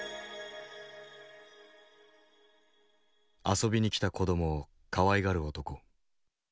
遊びに来た子どもをかわいがる男。